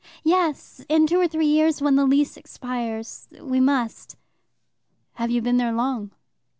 "Yes, in two or three years, when the lease expires. We must." "Have you been there long?"